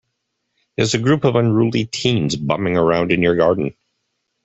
There's a group of unruly teens bumming around in your garden.